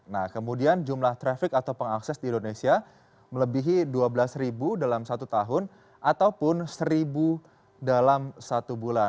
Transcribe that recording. nah kemudian jumlah traffic atau pengakses di indonesia melebihi dua belas ribu dalam satu tahun ataupun seribu dalam satu bulan